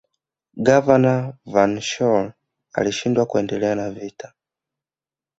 Gavana Von schelle alishindwa kuendelea na vita